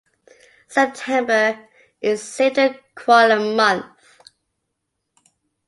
September is Save the Koala Month.